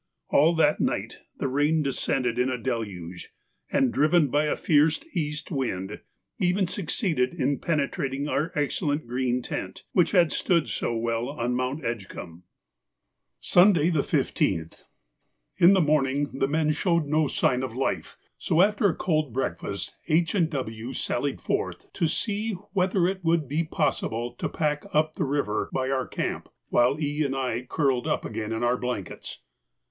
All that night the rain descended in a deluge, and, driven by a fierce east wind, even succeeded in penetrating our excellent green tent which had stood so well on Mount Edgcumbe. Sunday, the 15th.—In the morning the men showed no sign of life, so after a cold breakfast H. and W. sallied forth to see whether it would be possible to 'pack' up the river by our camp, while E. and I curled up again in our blankets.